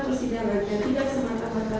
persidangan tidak semata mata